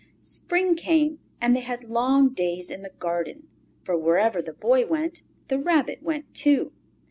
Spring came, and they had long days in the garden, for wherever the Boy went the Rabbit went too.